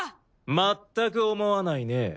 まったく思わないね。